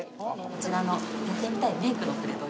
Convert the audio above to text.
こちらのやってみたいメイクのプレートを置いて。